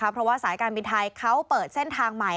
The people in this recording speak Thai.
เพราะว่าสายการบินไทยเขาเปิดเส้นทางใหม่